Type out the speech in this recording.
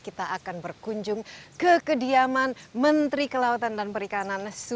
kita akan berkunjung ke kediaman menteri kelautan dan perikanan